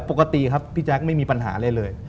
ปกติครับพี่แจ๊คไม่มีปัญหาอะไรเลย